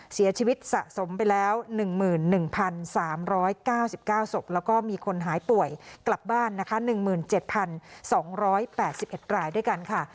เสียชีวิตสะสมไปแล้ว๑๑๓๙๙ศพแล้วก็มีคนหายป่วยกลับบ้านนะคะ๑๗๒๘๑รายด้วยกันค่ะ